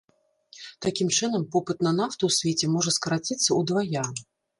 Такім чынам, попыт на нафту ў свеце можа скараціцца ўдвая.